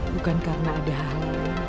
bukan karena ada hal